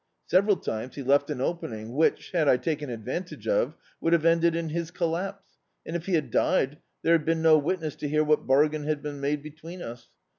Several times he left an opening which, had I taken ad vantage of, would have ended in his collapse; and if he had died, there had been no witness to hear what bargain had been made between us.